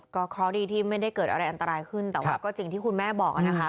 เพราะดีที่ไม่ได้เกิดอะไรอันตรายขึ้นแต่ว่าก็จริงที่คุณแม่บอกนะคะ